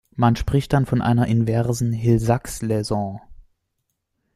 Man spricht dann von einer inversen Hill-Sachs-Läsion.